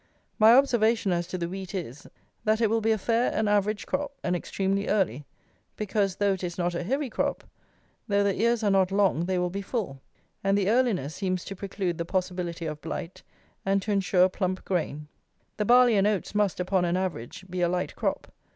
My observation as to the wheat is, that it will be a fair and average crop, and extremely early; because, though it is not a heavy crop, though the ears are not long they will be full; and the earliness seems to preclude the possibility of blight, and to ensure plump grain. The barley and oats must, upon an average, be a light crop.